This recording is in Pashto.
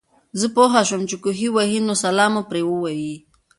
زۀ پوهه شوم چې کوهے وهي نو سلام مو پرې ووې